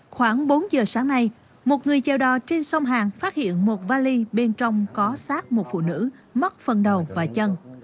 khoảng bốn h sáng nay một người chèo đò trên sông hàn phát hiện một vali bên trong có xác một phụ nữ mất phần đầu và chân